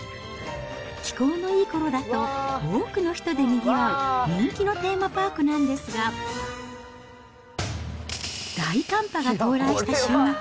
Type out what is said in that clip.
気候のいいころだと、多くの人でにぎわう人気のテーマパークなんですが、大寒波が到来した週末。